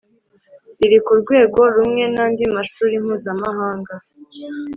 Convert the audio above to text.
riri ku rwego rumwe nandi mashuri mpuza mahanga